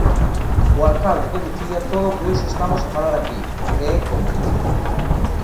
O alcalde coñecía todo o que hoxe estamos a falar aquí, e é cómplice.